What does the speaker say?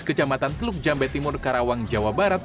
kecamatan teluk jambe timur karawang jawa barat